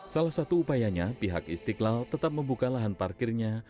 salah satu upayanya pihak istiqlal tetap membuka lahan parkirnya